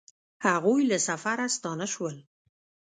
هغوی له سفره ستانه شول